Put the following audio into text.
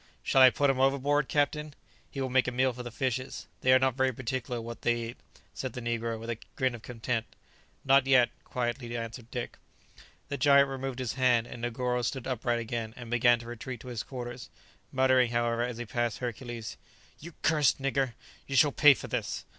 "Shall I put him overboard, captain? he will make a meal for the fishes; they are not very particular what they eat," said the negro, with a grin of contempt. "Not yet," quietly answered Dick. The giant removed his hand, and Negoro stood upright again, and began to retreat to his own quarters, muttering, however, as he passed Hercules, "You cursed nigger! You shall pay for this!"